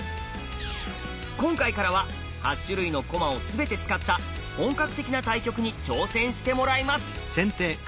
今回からは８種類の駒を全て使った本格的な対局に挑戦してもらいます！